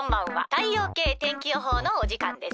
太陽系天気予報のおじかんです。